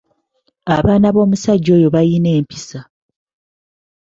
Abaana b'omusajja oyo bayina empisa.